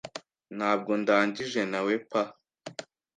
Ntabwo ndangije nawepa